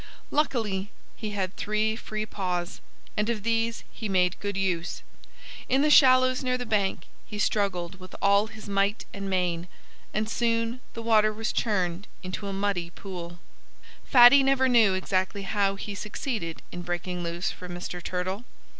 Luckily he had three free paws. And of these he made good use. In the shallows near the bank he struggled with all his might and main. And soon the water was churned into a muddy pool. [Illustration: "Let Me In!" said Timothy to Mr. Frog.] Fatty never knew exactly how he succeeded in breaking loose from Mr. Turtle.